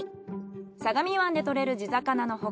相模湾でとれる地魚の他